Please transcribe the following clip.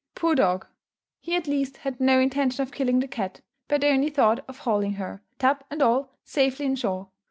Poor dog, he at least had no intention of killing the cat; but only thought of hauling her, tub and all, safely in shore.